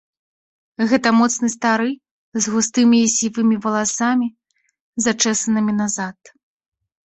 Гэта моцны стары, з густымі і сівымі валасамі, зачэсанымі назад.